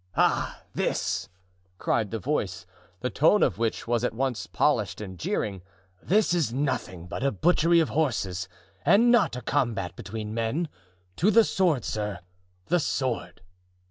"Ah! this," cried the voice, the tone of which was at once polished and jeering, "this is nothing but a butchery of horses and not a combat between men. To the sword, sir! the sword!"